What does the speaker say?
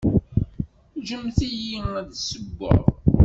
Ǧǧem-iyi ad d-ssewweɣ.